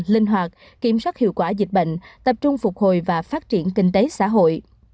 linh hoạt kiểm soát hiệu quả dịch bệnh tập trung phục hồi và phát triển kinh tế xã hội